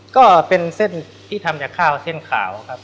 ก็เป็นเส้นที่ทำจากข้าวเส้นขาวครับ